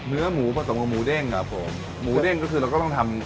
เนื้อหมูผสมกับหมูเด้งครับผมหมูเด้งก็คือเราก็ต้องทำ